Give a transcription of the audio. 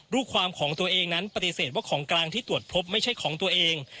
ลูกความของตัวเองนั้นปฏิเสธว่าของกลางที่ตรวจพบไม่ใช่ของตัวเอง